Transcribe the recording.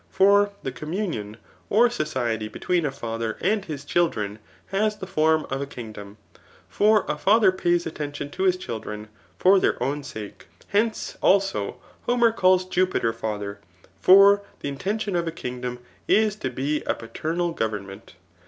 For the communion, or society, between a father and his chiklren lias the form of a kingdom ; for a father pays Attention to his children ([for their own sakes]. Hence^ also. Homer caUs Jupiter father ; for the intention of a kingdom is to be a paternal government.